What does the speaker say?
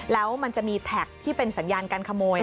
แล้วมันจะมีแท็กที่เป็นสัญญาการขโมย